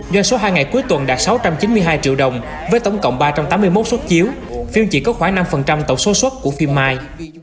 doanh số hai ngày cuối tuần đạt sáu trăm chín mươi hai triệu đồng với tổng cộng ba trăm tám mươi một xuất chiếu phim chỉ có khoảng năm tổng số xuất của phim mai